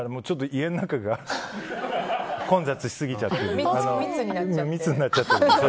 家の中が混雑しすぎちゃって密になっちゃって。